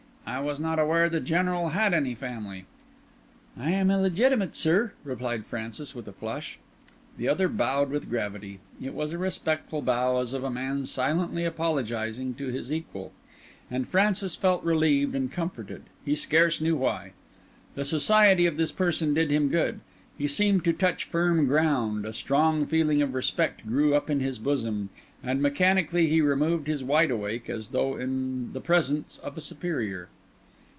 "I was not aware the General had any family." "I am illegitimate, sir," replied Francis, with a flush. The other bowed with gravity. It was a respectful bow, as of a man silently apologising to his equal; and Francis felt relieved and comforted, he scarce knew why. The society of this person did him good; he seemed to touch firm ground; a strong feeling of respect grew up in his bosom, and mechanically he removed his wideawake as though in the presence of a superior.